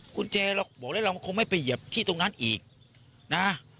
คุณเจเราบอกแล้วเราคงไม่ไปเหยียบที่ตรงนั้นอีกนะ